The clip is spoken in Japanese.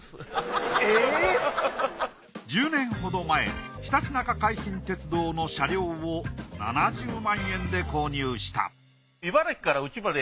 １０年ほど前ひたちなか海浜鉄道の車両を７０万円で購入したいやウソ！